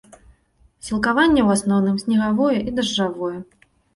Сілкаванне ў асноўным снегавое і дажджавое.